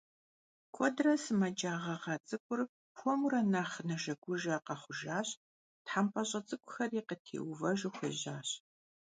Куэдрэ сымэджа гъэгъа цIыкIур хуэмурэ нэхъ нэжэгужэ къэхъужащ, тхьэмпэщIэ цIыкIухэри къытеувэжу хуежьащ.